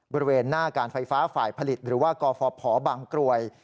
บริเวณหน้าการไฟฟ้าฝ่ายผลิตหรือว่ากฟพบางกรวย